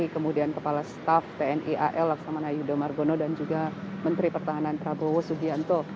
kemudian kepala staff tni al laksamana yudomar gono dan juga menteri pertahanan prabowo sugianto